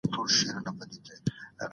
ما ورته وويل چي مطالعه وکړه.